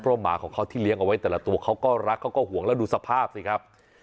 เพราะหมาของเขาที่เลี้ยงเอาไว้แต่ละตัวเขาก็รักเขาก็ห่วงแล้วดูสภาพสิครับ